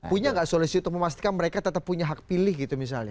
punya nggak solusi untuk memastikan mereka tetap punya hak pilih gitu misalnya